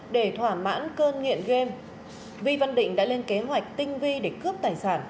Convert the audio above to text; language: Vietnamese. để thỏa mãn cơn nghiện game vi văn định đã lên kế hoạch tinh vi để cướp tài sản